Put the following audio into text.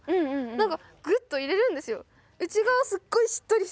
なんかグッと入れるんですよ。